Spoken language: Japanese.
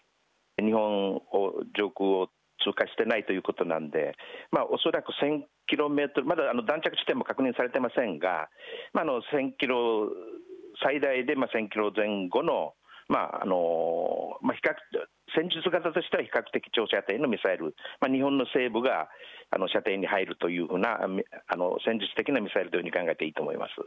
日本上空を通過してないということなんで、恐らく１０００キロメートル、まだ弾着地点も確認されてませんが、１０００キロ、最大で１０００キロ前後の戦術型としては比較的長射程のミサイル、日本の西部が射程に入るというような、戦術的なミサイルというふうに考えていいと思います。